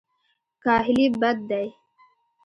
کاهلي بد دی.